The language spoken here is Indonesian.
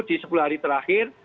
di sepuluh hari terakhir